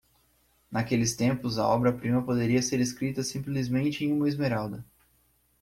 Naqueles tempos, a obra-prima poderia ser escrita simplesmente em uma esmeralda.